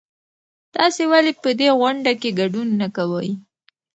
تاسې ولې په دې غونډه کې ګډون نه کوئ؟